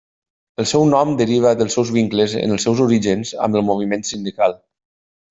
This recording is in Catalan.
El seu nom deriva dels seus vincles en els seus orígens amb el moviment sindical.